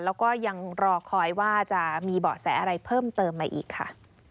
แล้วก็ยังรอคอยว่าจะมีเบาะแสอะไรเพิ่มเติมมาอีกค่ะ